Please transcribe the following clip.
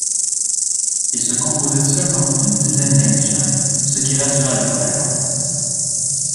Il se composait seulement d’une dizaine d’indigènes, ce qui rassura le Patagon.